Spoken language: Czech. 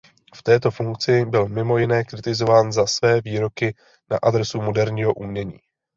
V této funkci byl mimo jiné kritizován za své výroky na adresu moderního umění.